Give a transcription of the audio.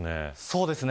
そうですね。